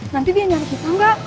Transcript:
nanti dia nyari kita mbak